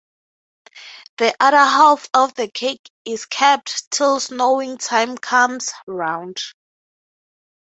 The other half of the cake is kept till sowing-time comes round.